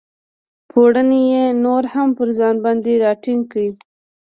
پوړنی یې نور هم پر ځان باندې را ټینګ کړ.